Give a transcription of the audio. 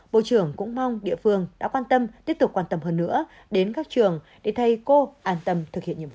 bộ trưởng cũng mong địa phương đã quan tâm tiếp tục quan tâm hơn nữa đến các trường để thầy cô an tâm thực hiện nhiệm vụ